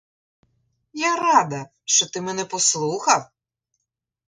Я рада, що ти мене послухав!